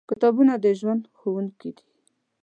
کتابونه د ژوند ښوونکي دي.